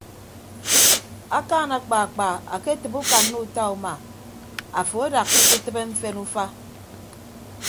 Akaan akpaakpa aketịbe ukanna uta uma afo adakka uke tịbe mfen ufa.